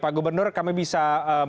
pak gubernur kami bisa